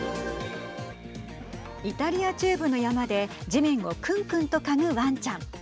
イタリア中部の山で地面をくんくんとかぐわんちゃん。